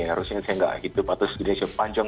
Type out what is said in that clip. harusnya saya gak hidup harusnya saya panjang